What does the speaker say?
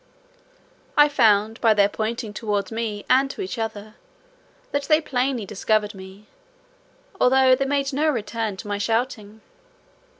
I found by their pointing towards me and to each other, that they plainly discovered me, although they made no return to my shouting.